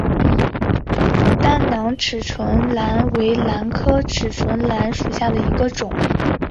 单囊齿唇兰为兰科齿唇兰属下的一个种。